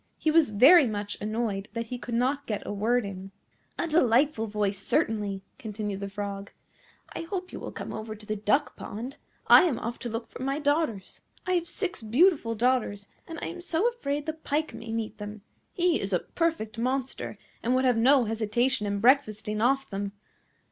He was very much annoyed that he could not get a word in. "A delightful voice, certainly," continued the Frog; "I hope you will come over to the duck pond. I am off to look for my daughters. I have six beautiful daughters, and I am so afraid the Pike may meet them. He is a perfect monster, and would have no hesitation in breakfasting off them.